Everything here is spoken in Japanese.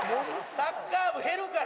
サッカー部減るから。